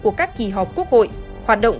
của các kỳ họp quốc hội hoạt động